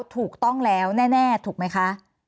ถูกต้องแล้วแน่ถูกไหมคะ